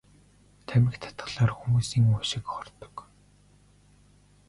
Тамхи татахлаар хүмүүсийн уушиг хордог.